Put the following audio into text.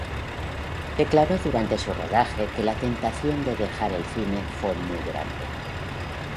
Declaró durante su rodaje que la tentación de dejar el cine fue muy grande.